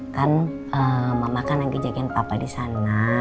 kan mama kan lagi jagain papa disana